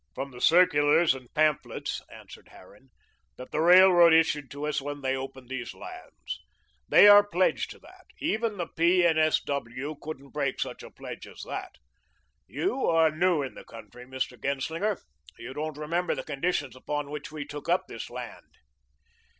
"From the circulars and pamphlets," answered Harran, "that the railroad issued to us when they opened these lands. They are pledged to that. Even the P. and S. W. couldn't break such a pledge as that. You are new in the country, Mr. Genslinger. You don't remember the conditions upon which we took up this land."